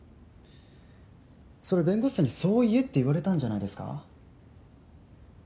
それ弁護士さんにそう言えって言われたんじゃないですか？